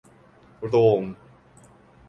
โรม